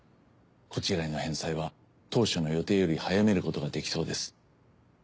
こちらへの返済は当初の予定より早めることができそうです。